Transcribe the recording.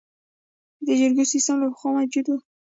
د جرګو سیسټم له پخوا موجود و